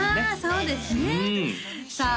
そうですねさあ